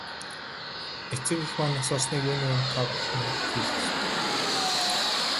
Эцэг эх маань нас барсныг юуны өмнө та бүхэнд хэлэх ёстой.